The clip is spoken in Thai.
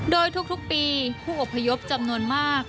โดยทุกปีผู้อพยพจำนวนมาก